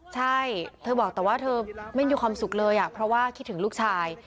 ใช่เธอบอกแต่ว่าเธอไม่มีความสุขเลยเพราะว่าคิดถึงลูกชาย